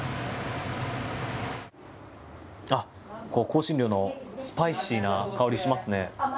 香辛料のスパイシーな香りがしますね。